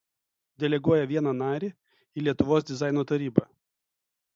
Deleguoja vieną narį į Lietuvos dizaino tarybą.